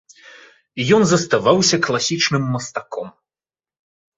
Ён заставаўся класічным мастаком.